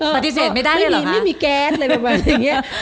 ปฏิเสธไม่ได้หรอกคะไม่มีแก๊สอะไรแบบนี้